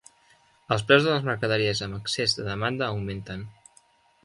Els preus de les mercaderies amb excés de demanda augmenten.